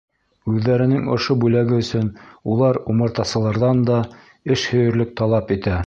Үҙҙәренең ошо бүләге өсөн улар умартасыларҙан да эшһөйәрлек талап итә.